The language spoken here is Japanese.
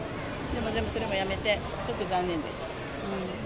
でもそれも全部やめて、ちょっと残念です。